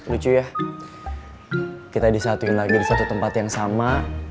lucu ya kita disatuin lagi di satu tempat yang sama